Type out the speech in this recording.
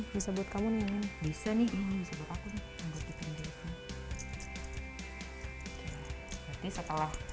bisa buat kamu nih bisa nih ini bisa buat aku nih